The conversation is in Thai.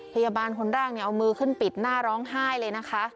พยาบาลคนแรกเนี่ยเอามือขึ้นปิดหน้าร้องไห้เลยนะคะ